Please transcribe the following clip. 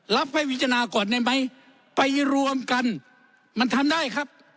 รับให้พิจารณาก่อนได้ไหมไปรวมกันมันทำได้ครับ